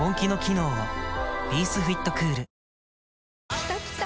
きたきた！